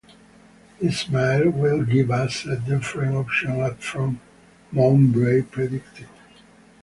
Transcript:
"Ishmael will give us a different option up front," Mowbray predicted.